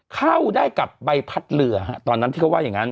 เข้าได้กับใบพัดเรือฮะตอนนั้นที่เขาว่าอย่างนั้น